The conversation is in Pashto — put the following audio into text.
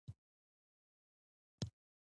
انګلیسي په کاناډا کې هم کارېږي